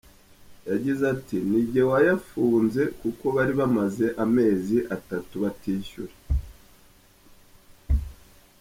Yagize ati:” Ni njye wayafunze kuko bari bamaze amezi atatu batishyura.